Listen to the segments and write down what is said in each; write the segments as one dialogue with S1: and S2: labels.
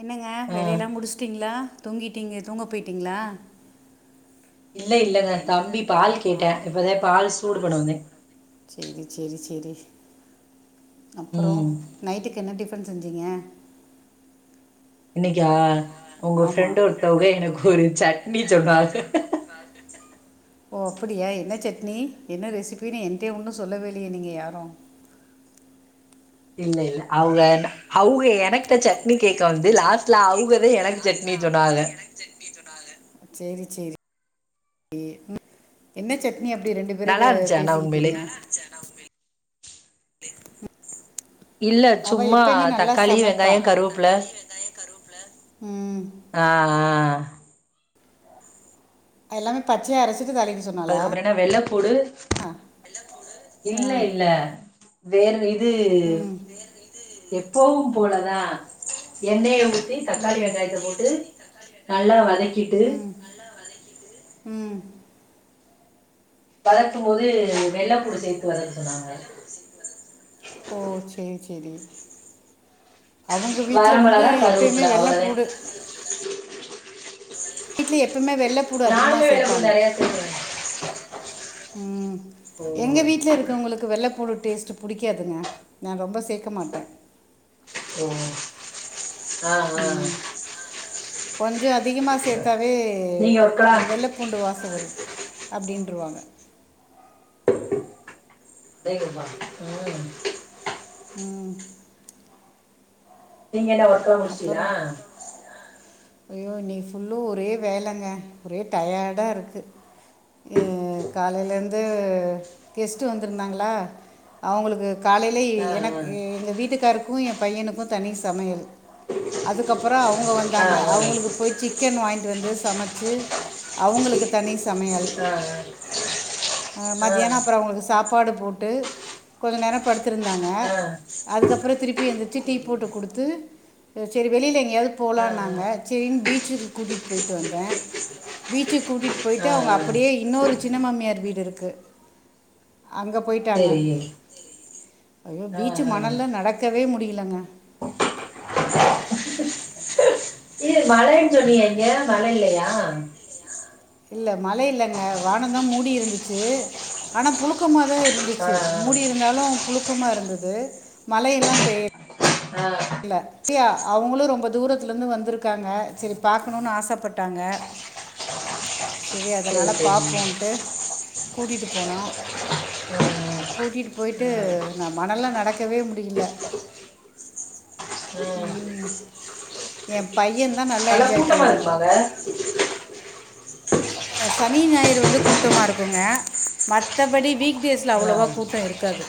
S1: என்னங்க
S2: ஆ
S1: வேளைய எல்லாம் முடிச்சுட்டீங்களா தூங்கிட்டீங்க தூங்க போயிட்டீங்களா இல்ல இல்லங்க தம்பி பால் கேட்டான் இப்பதான் பால் சூடுபன்ன வந்தன் சேரி சேரி சேரி அப்புறம்
S2: ம்
S1: நைட்டுக்கு என்ன டிஃபரென் செஞ்சீங்க
S2: இன்னைக்கா உங்க
S1: ஆமாம்
S2: ஃப்ரெண்ட் ஒருத்தவகங்க எனக்கு ஒரு சட்னி சொன்னாக
S1: ஓ அப்படியா என்ன சட்னி என்ன ரெசிபின்னு எனடே ஒன்று சொல்வே வேலையே நீங்கள் யாரும்
S2: இல்ல இல்ல அவங்க அவங்க எனகிட்ட சட்னி கேக்க வந்து லாஸ்ட்ல அவங்கதான் எனக்கு சட்னி சோன்னாங்க
S1: சேரி சேரி என்ன சட்னி நீ அப்படி ரெண்டு பேரு
S2: நல்லா இருந்துச்சு ஆனா உண்மையிலே
S1: பேசிக்கிட்டீங்க
S2: இல்ல
S1: அவள்
S2: சும்மா
S1: எப்பயுமே நல்லா
S2: தக்காளி வெங்காயம் கருவேப்புல
S1: உம்
S2: ஆ
S1: எல்லாமே பச்சையை அரைச்சி
S2: அதுக்கப்புறம் என்ன வெள்ளைப்பூடு இல்ல
S1: ஆ
S2: இல்ல வேறு இது
S1: ம்
S2: எப்பவும் போலதான் எண்ணெயை ஊத்தி தக்காளி
S1: ம்
S2: வெங்காயத்தை போட்டு நல்லா வதக்கிட்டு
S1: உம்
S2: வளர்க்க போோது வெள்ளைப்பூடு சேர்த்து வரது சொன்னாங்க
S1: ஓ சரி சரி அவங்க வீட்ல வந்து
S2: வரமிளகா
S1: எப்பயுமே
S2: கருவேப்பில
S1: வெள்ள
S2: அவ்வளவுதே
S1: போூடு எப்பமே வெள்ளைப்பூடு அதிகமாக
S2: நானுமே வெள்ளைப்பூடு
S1: சேர்ப்பாங்க
S2: நிறைய சேர்த்தேன்
S1: உம்
S2: ஓ
S1: எங்க வீட்ல இருக்கவங்களுக்கு வெள்ளைப்பூடு டேஸ ப ந ர ச
S2: ஓ ஆஹ் ஆஹ்
S1: ம் கொஞ்சம் அதிகமாக சேர்த்தாவே
S2: நீங்க ஒர்க்கலா
S1: வெள்ளைப்பூண்டு வாச வரும் அப்படின்றவாங்க
S2: அதேபா உஹம்
S1: உம்
S2: நீங்க என்ன ஒர்க்கல முடிச்சலா
S1: ஐ்யோ நீ ஃபுல்லு ஒரே வேலைங்க ஒரே டயர்டாக இருக்குது காலையில இருந்து கெஸ்ட்ட் வந்திருந்தாங்களா அவங்களுக்கு காலையில்
S2: ஆ
S1: எனக்கு
S2: ஆ
S1: எங்கள் வீட்டுக்காருக்கும் என் பையனுக்கும் தனி சமையல் அதுக்கப்புறம் அவங்க
S2: ஆ
S1: வந்தாங்க அவங்களுக்கு போய் சிக்கன் வாங்கிட்டு வந்து சமைச்ச ச்சு அவங்களுக்கு தனி
S2: ஆஹ்
S1: மதியியானம் அப்புறம் அவங்களுக்கு சாப்பாடு போட்டு கொஞ்சம் நேரம் படுடுத்திருந்தாங்க
S2: ஆ
S1: அதுக்கப்புறம் திருப்பி எழுந்திரச்சு டீ
S2: சரி
S1: போட்டு கொடுத்து சரி வெளியில எங்கேயாவது
S2: ஆ
S1: போகலாம்
S2: ஆ
S1: நாங்க சரின்னு பீச்சுக்கு கூட்டிட்டு போயிட்டு வந்தேன் பீச்சு கூட்டிட்டு போயிட்டு
S2: ஆ ஆ
S1: அவங்க அப்படியே இன்னொரு சின்ன மாமியார் வீடு இருக்கு அங்கே போயிட்டாங்க
S2: சரி
S1: ஐயோ
S2: ஆ
S1: பீச்சு
S2: ஆ
S1: மணல்ல நடக்கவே முடியலங்க
S2: சொன்னியன் இங்க மழை இல்லையா
S1: இல்ல மழை இல்லங்க வானந்தான் மூடி இருந்துச்சு ஆனா புழுக்கமாதான்
S2: ஆ ஆ
S1: இருந்துச்சு மூடி இருந்தாலும் புழுக்கமா இருந்தது மழைய எல்லாம் பெய்யல
S2: ஆ,
S1: இல்ல சியா அவங்களும் ரொம்ப தூரத்துல இருந்து வந்திருக்காங்க சரி பாக்கணும்னு ஆசைப்பட்டாங்க
S2: ஆஹ
S1: சரி அதனால பாார்பப்போன்ட்டு கூட்டிட்டு போனோம்
S2: ஆ,
S1: கூட்டிட்டு போயிட்டு
S2: ஆ,
S1: நான் மணல்லாம் நடக்கவே முடியல
S2: ஆ.
S1: உம் என் பையன் தான் நல்லா என்ஜாய்
S2: கூட்டமா
S1: பண்ணாங்க
S2: இருக்குமாங்க
S1: சனி ஞாயிற வந்து கூட்டமா இருக்குங்க மத்தபடி வீக்டேஸ்ல அவ்வளவா
S2: ஆ
S1: கூட்டம் இருக்காது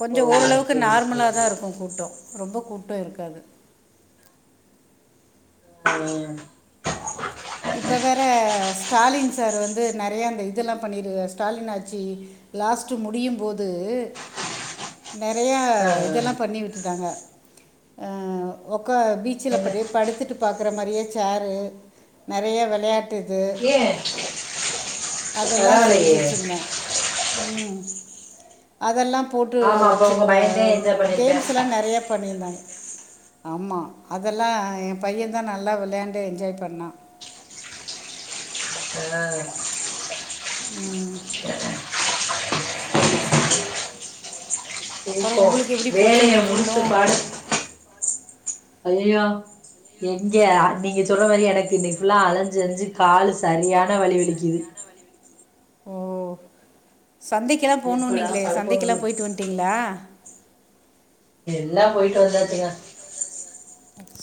S1: கொஞ்சம்
S2: ஓ
S1: ஓரளவுக்கு
S2: சரி
S1: நார்மலா தான்
S2: சரி
S1: இருக்கும் கூட்டம் ரொம்ப கூட்டம் இருக்காது [unintelligible]
S2: ஆ, ஆ,
S1: இப்ப வேற ஸ்டாலின் சார் வந்து நிறைய அந்த இதெல்லாம் பண்ணிரு ஸ்டாலின் ஆச்சு லாஸ்ட்ட் முடியும்போது நிறைய
S2: ஆ.
S1: இதெல்லாம் பண்ணி விட்டுட்டாங்க அஹ் உக்கா பீச்சல
S2: என்ன
S1: படிய படுத்துட்டு பாக்குற மாதிரியே சேரு நிறைய விளையாட்டுது
S2: ஏன்
S1: அதெல்லாம் செஞ்சு
S2: பரவாயில்லையே
S1: வச்சிருந்தேன் உம் அதெல்லாம் போட்டு
S2: ஆமா அப்ப உங்க
S1: வச்சுிருந்தா
S2: பயந்தே என்ஜாய் பண்ணிருப்பேன்
S1: கேம்ஸ்லாம் நிறையா பண்ணியிருந்தாங்க ஆமா அதெல்லாம் என் பையன் தான் நல்லா விளையாண்டு என்ஜாய் பண்ணான்
S2: ஆ,
S1: உம் சரி சரி அப்புறம்
S2: இப்போ
S1: உங்களுக்கு எப்படி போச்சு
S2: வேலையை
S1: இன்னிக்கு
S2: முடிச்சு
S1: புல்லும்
S2: அயா எங்க நீங்க சொல்ற மாதிரி எனக்கு இன்னைக்கு ஃபுல்லா அலைஞ்சு அலைஞ்சு காலு சரியான வலி வலிக்குது
S1: ப [inaudible] ஓ சந்தைக்கெல்லாம் போனும்
S2: எப்படா
S1: நீீங்களே
S2: படுப்போம்
S1: சந்தைக்கெல்லாம் போயிட்டு வந்துட்டீங்களா
S2: எல்லாம் போயிட்டு வந்தாச்சுங்க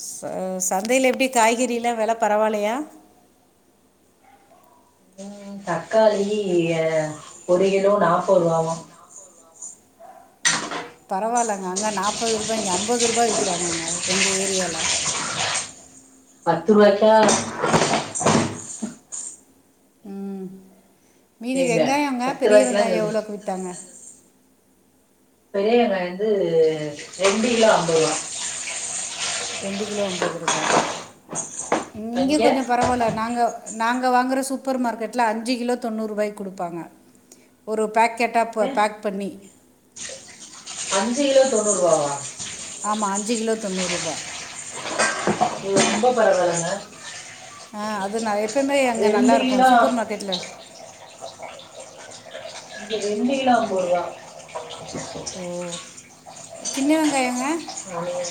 S1: ச சந்தையில எப்படி காய்கறி எல்லாம் வில பரவலையா
S2: உம் தக்காளி ஒரு கிலோ நாப்பது ரூபாவும்
S1: பரவாயில்லங்க அங்கே நாற்பது ரூபாய் இங்கே ஐம்பது ரூபாய் விற்கிறாங்க அங்க எங்கள் ஏரியால்ல ச [inaudible]
S2: பத்துரு வாய்கா
S1: உம் மீதி
S2: எங்க
S1: வெங்காயங்க
S2: பத்து
S1: பெரிய
S2: ரூபாய்க்குலா
S1: வெங்காயம்
S2: சொல்றீங்க
S1: எவ்வளோவுக்கு வித்தாங்க
S2: பெரிய வொங்காயம் வந்து ரொண்டுகிலோ ஐம்பது ரூவா
S1: ரெண்டு கிலோ ஐம்பது ரூபாய இங்கே
S2: அங்க
S1: கொஞ்சம் பரவாயில்ல நாங்கள் நாங்க வாங்கற சூப்பர் மார்க்கெட்ல அஞ்சு கிலோ தொண்ணூறு ரூபாய் கொடுப்பாங்க ஒரு பேக்கெட் கேட்டா
S2: ஏ
S1: பேக் பண்ணி
S2: அஞ்சு கிலோ தொண்ணூறு ரூவாவா
S1: ஆமா அஞ்சு கிலோ தொண்ணூறு ரூபா
S2: ரொம்ப பரவாயில்ங்க
S1: ஆஹ் அது நிறையா எப்பயமே அங்க நல்லா
S2: ரெண்டு
S1: இருக்கும்
S2: கிலோ
S1: சூப்பர் மார்க்கெட்ல
S2: ரெண்டு கிலோ ஐம்பது ரூவா
S1: ஓ சின்ன வெங்காயங்க
S2: உஹ [inaudible]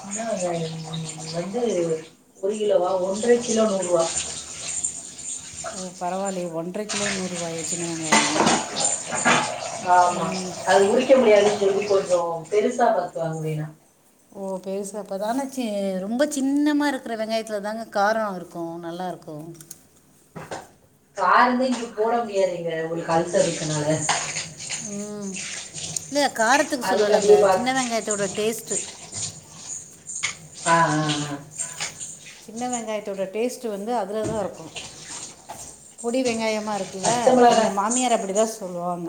S2: சின்ன வெங்காயம் வந்து ஒரு கிலோவா ஒன்றரை கிலோ நூறு ரூவா
S1: [inaudible] ஓ பரவாயில்ல ஒன்றரை கிலோ நூறு ரூபாயா சின்ன வெங்காயம்
S2: ஆமா
S1: ம்
S2: அது உறிக்க முடியாது சொல்லி கொஞ்சம் பெருசா பத்துவாங்கனேன்ன
S1: ஓ பெருச அப்போ தானே சி ரொம்ப சின்னமா இருக்கிற வெங்காயத்தில் தாங்க காரம் இருக்கும் நல்லாயிருக்கும் போ [inaudible]
S2: காரந்த இங்க போட முடியாதங்க உங்களுக்கு அல்சர் இருக்குனால
S1: இல்ல காரத்துக்கு சொல்லல அந்த
S2: அதுக்காண்டியே பா
S1: சின்ன வெங்காயத்தோட டேஸ்ட்டு
S2: ஆஹ் ஆஹ் ஆஹ்
S1: சின்ன வெங்காயத்தோட டேஸ்ட்டு வந்து அதில் தான் இருக்கும் பொடி வெங்காயமா இருக்கு
S2: பச்சை
S1: எங்க
S2: மிளகாய்
S1: மாமியார் அப்படிதான் சொல்லுவாங்க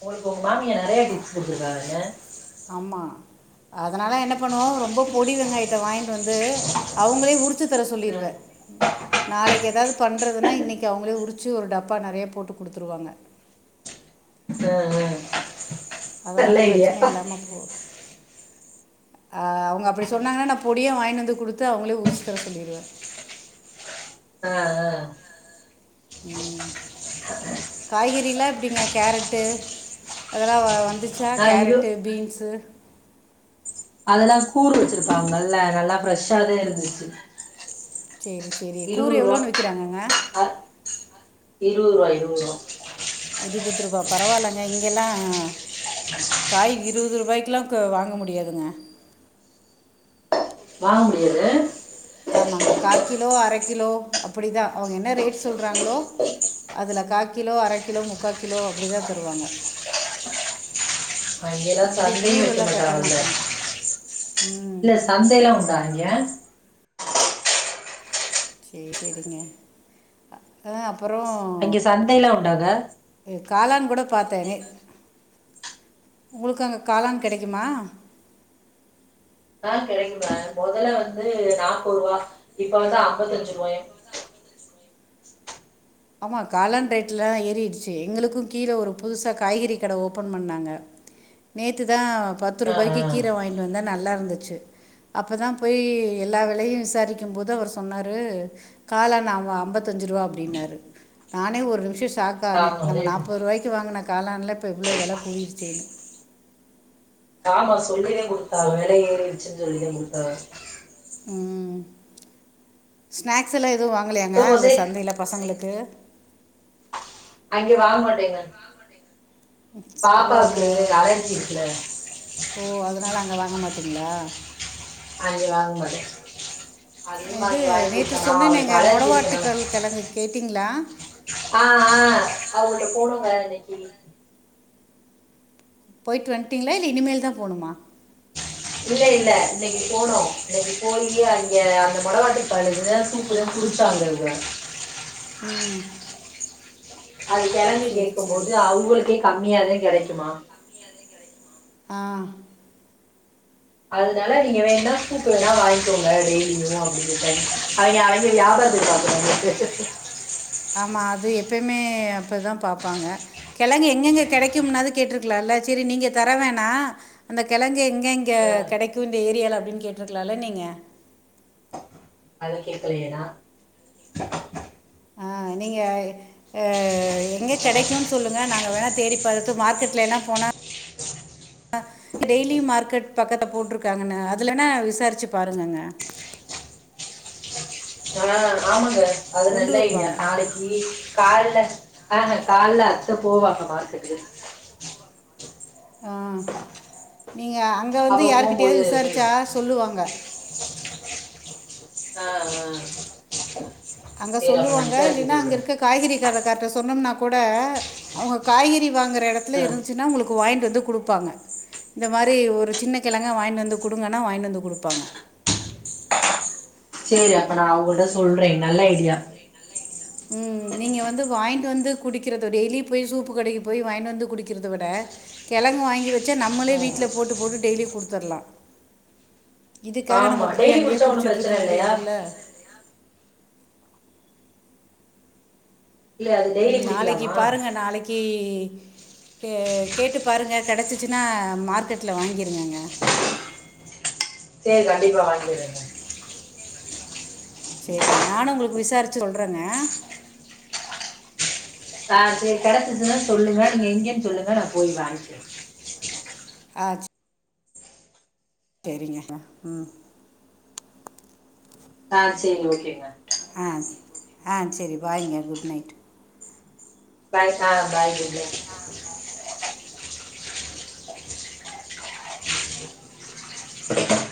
S2: உங்களுக்கு உங்க மாமிய நிறைய டிப்ஸ் கொடுத்திருக்காங்க என்ன
S1: ஆமா அதனால என்ன பண்ணுவோம் ரொம்ப பொடி வெங்காயத்த வாங்கி வந்து அவங்களே உரிச்சு தர
S2: ஆ,
S1: சொல்லிருவேன் நாளைக்கு ஏதாவது பண்றதுன்னா இன்னைக்கு அவங்கள உருச்ச உரிச்சு ஒரு டப்பா நெறைய போட்டுகுடுதுருவாங்க
S2: உஹ் உஹம்
S1: அதனால பிரச்சனை இல்லாம போம் ஆஹ் அவங்க அப்படி சொன்னாங்கன்னா நான் பொடியா வாங்கினு வந்து கொடுத்து அவங்களே உரிச்சி தர சொல்லிடுவேன்
S2: ஆஹ்
S1: உம் காய்கறி எல்லாம் எப்படிங்க கேரட் அதெல்லாம் வந்து அஷா
S2: ஆ இரு
S1: கேரட்டு் பீன்ஸு
S2: அதெல்லாம் கூறு வச்சிருப்பாங்கல்ல நல்லா ஃப்ரெஷ்ஷா தான் இருந்துச்சு
S1: சரி சரி கூறு
S2: இருபது ரூபா
S1: எவ்வளோன்னு விற்கிறாங்கங்க
S2: ஆ, இருபது ரூபா இருபது ரூபா
S1: இருப்பது ரூபா பரவாயில்லங்க இங்கல்லாம் இருபது ரூபாய்க்குலாம் வாங்க முடியாதுங்க
S2: வா முடியாது
S1: ஆமாங்க கா கிலோ அரை கிலோ அப்படிதான் அவங்க என்ன ரேட் சொல்கிறாங்களோ அதுல கா கிலோ அரை கிலோ முக்கா கிலோ அப்படிதான் தருவாங்க
S2: அங்கெல்லாம்
S1: இங்கே
S2: சந்தையும் வக்க
S1: கூரெல்லாம்
S2: மாட்ட
S1: கட்ட
S2: அவந்த
S1: மாட்டாங்க ம்
S2: இல்ல சந்தைய எல்லாம் உண்டா அங்க
S1: சேரி சேரிங்க ஆஹ அ
S2: அங்க சந்தையல்லாம் உண்டாங்க
S1: காலான்னு கூட பாத்தேனே உங்களுக்கு அங்க காலான் கிடைக்குமா
S2: ஆஹ் கிடைக்குமே முதல்ல வந்து நாப்பது ரூபா இப்ப வந்து ஐம்பத்தஞ்சு ரூவாய
S1: ஆமா காலான் ரேட்லாம் ஏறிடுச்சு எங்களுக்கும் கீழே ஒரு புதுசா காய்கறி கடை ஓபன் பண்ணாங்க நேத்துதான் பத்து
S2: ஆ
S1: ரூபாய்க்கு கீரை வாங்கிட்டு வந்த நல்லா இருந்துச்சு அப்பதான் போய் எல்லா வேலையும் விசாரிக்கும் போது அவர் சொன்னாரு காலான ஐம்பத்தஞ்ச ரூபா அப்படின்னாரு நானே ஒரு நிமிஷம் ஸாக்
S2: ஆ
S1: ஆனே
S2: ஆமா
S1: நம்ம
S2: ரேட்டு
S1: நாற்பது ரூபாய்கு வாங்கின காலன்லா இப்போ எவ்வளோ வில கூடிருச்சேன்னு
S2: ஆமா சொல்லிதான் கொடுத்தா வேலை ஏறிச்சுன்னு சொல்லிதே கொடுத்தா
S1: ஸ்நாக்ஸ் எல்லாம் எதுவும் வாங்கலையாங்க அங்கே
S2: முட்டகோசே
S1: சந்தையில் பசங்களுக்கு
S2: அங்கே வாங்கமாட்டேங்க
S1: ஓ அங்க
S2: அலர்ஜி இருக்குல
S1: ஓ அதனால அங்க வாங்க மாட்டே அல்ல
S2: அங்கவாங்கமாட்டே
S1: இது
S2: அதுமாங்க
S1: நேற்று சொன்னேன் நாங்கள்
S2: [unintelligible]
S1: மொடவாட்டுக்கல் கிழங்கு கேட்டிங்களா
S2: ஆஹ் ஆஹ் அவங்கள்ட போனுங்க இன்னைக்கு
S1: போயிட்டு வன்ட்டீங்களா இல்ல இனிமேல் தான் போகணுமா
S2: இல்ல இல்ல இன்னைக்கு போனோம் இன்னைக்கு போயி அங்க அந்த மொளவாட்டு பால் இதுதான் சூப்புதான் [unintelligible]
S1: உம்
S2: அது கிளங்கி கேட்க போது அவங்களுக்கே கம்மியாதான் கிடைக்குமா
S1: ஆஹ்
S2: அதனால நீங்க வேண்ணா [unintelligible] வாங்கிக்கோங்க டெய்லியும் அப்படின் அவங்கங்க வியாப ப
S1: ஆமா அது எப்பயுமே அப்பதான் பாப்ப்பாங்க கிழங்கு எங்கெங்க கிடைக்கும்னது கேட்டிருக்கலாம்ல சரி நீங்க தர வேணா அந்த கிழங்க எங்க ங்க இங்க
S2: ஆ
S1: கிடைக்கும் இந்த ஏரியால அப்படின்னு கேட்டுருக்கலாம்ல்ல நீங்க
S2: அது கேக்கலயே நா
S1: ஆ நீங்க எங்க கிடைக்கும் சொல்லுங்க நாங்க வேணா தேடி பாத்து மார்க்கெட்டில் என்னாம் போனால் டெய்லி மார்க்கெட் பக்கத்தை போட்டுருக்காங்கன்னு அதுலன விசாரிச்சு பாருங்கங்க
S2: ஆனா ஆமாங்க அது
S1: கொண்டு
S2: நல்லா இல்ல
S1: வருவாங்க
S2: நாளைக்கு கால்ல ஆஹ கால அத்தை போவாங்க மார்க்கெட்டுக்கு
S1: ஆ நீங்க அங்கே
S2: அப்ப
S1: வந்து
S2: போகும்போது
S1: யார்கிட்டயாவது விசாரிச்சா
S2: போயிடும்
S1: சொல்லுவாங்க
S2: ஆஹ் ஆஹ்
S1: அங்க
S2: சரி அப்ப நான்
S1: சொல்லுவாங்க
S2: விசாரிக்க
S1: இல்னா அங்க
S2: சொல்றேன்
S1: இருக்க காய்கறி அத கர்ட சொன்னோம்னா கூட அவங்க காய்கறி வாங்குற இடத்துல
S2: ஆஹ்.
S1: இருந்துச்சுன்னா உங்களுக்கு வாங்கிண்டுட்டு வந்து கொடுப்பாங்க இந்த மாதிரி ஒரு சின்ன கிழங்க வாங்கிட்டு வந்து கொடுங்கன்னா வாங்கிட்டு வந்து கொடுப்பாங்க
S2: சரி அப்ப நான் அவங்கள்ட்ட சொல்றேன் நல்ல ஐடியா
S1: உம் நீங்க வந்து வாங்கிட்டு வந்து குடிக்கறத டெய்லி போய் சூப்பு கடைக்கு போய் வாங்கிட்டு வந்து குடிக்கறதை விட கிழங்கு வாங்கி வச்ச நம்மளே வீட்டுல போட்டு போட்டு டெய்லி கொடுத்துடலாம் இதுக்காக
S2: ஆமா
S1: நம்ம போய்
S2: டெய்லி
S1: அங்கயே
S2: குடிச்சா ஒன்றும்
S1: குடிச்சுட்டு
S2: பிரச்சனை
S1: இருக்க
S2: இல்லையா
S1: முடியாதுல
S2: இல்ல அது டெய்லி
S1: உம் நாளைக்கு
S2: குடிக்கலாமா
S1: பாருங்க நாளைக்கு கேட்டு பாருங்க கிடச்சிச்சுனா மார்க்கெட்டில் வாங்கிருங்கங்க
S2: சரி கண்டிப்பா வாங்கறங்க
S1: சரிங்க நானும் உங்களுக்கு விசாரிச்சு சொல்றேங்க
S2: ஆஹ் சரி கிடைச்சச்சன்னு சொல்லுங்க நீங்க எங்கன்னு சொல்லுங்க நான் போய் வாங்கிக்கேன்
S1: ஆஜ சரிங்க உம்
S2: ஆஹ் சரி ஓகேங்க
S1: ஆ ஆ சரி பாாய்ங்க குட் நைட்
S2: பாய் ஆஹ் பாய் இடிக்கும்